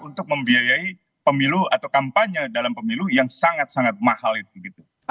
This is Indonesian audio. untuk membiayai pemilu atau kampanye dalam pemilu yang sangat sangat mahal itu gitu